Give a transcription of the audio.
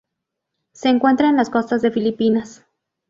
Se encuentra en las costas de Filipinas.